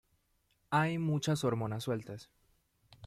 Hay muchas hormonas sueltas.